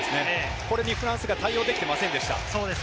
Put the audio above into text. これにフランスが対応できていませんでした。